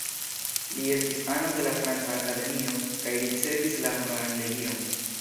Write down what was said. Li estis ano de la Franca Akademio kaj ricevis la Honoran Legion.